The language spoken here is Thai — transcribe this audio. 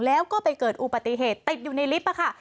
แล้วก็ไปเกิดอุปติเหตุติดอยู่ในลิฟต์ค่ะ